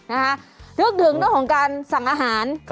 นึกถึงการสั่งอาหาร